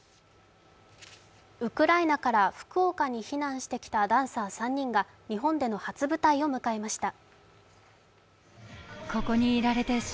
ウクライナから福岡に避難してきたダンサー３人が日本での初舞台を迎えました。